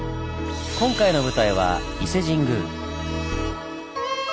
今回の舞台は伊勢神宮。